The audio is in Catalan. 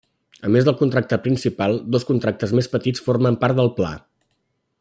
A més del contracte principal, dos contractes més petits formen part del pla.